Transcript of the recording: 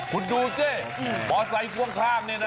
คุณดูเจ๊บอสไทยข้างข้างนี้นะ